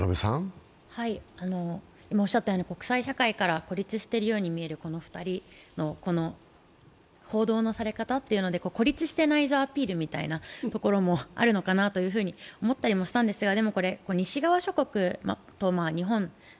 国際社会から孤立しているように見えるこの２人の報道のされ方というので、孤立してないぞアピールみたいなところもあるのかなと思ったりしたんですけど